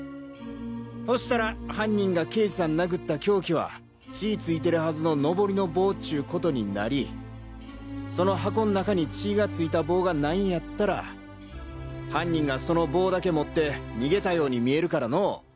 そしたら犯人が刑事さん殴った凶器は血ぃ付いてるはずのノボリの棒っちゅうことになりその箱ん中に血ぃが付いた棒がないんやったら犯人がその棒だけ持って逃げたように見えるからのォ！